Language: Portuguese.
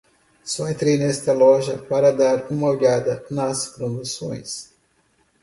Só entrei nesta loja para dar uma olhada nas promoções.